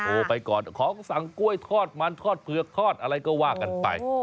ไปก่อนของสั่งกล้วยทอดมันทอดเผือกทอดอะไรก็ว่ากันไป